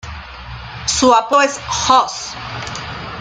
Su apodo es "Hoss".